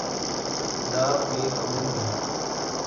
زاب بئے کھونی بئے